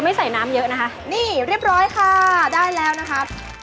ได้น้ำทรายค่ะ